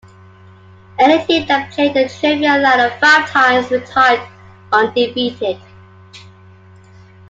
Any team that played the Trivia Ladder five times retired undefeated.